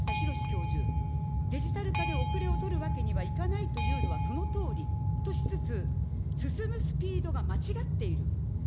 中央大学のみやしたひろし教授、デジタル化でおくれを取るわけにはいかないというのはそのとおりとしつつ、進むスピードが間違っている。